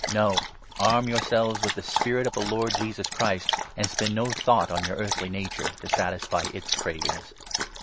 No ! 14 Arm yourselves with the spirit of the Lord Jesus Christ, and spend no thought on your earthly nature, to satisfy its cravings.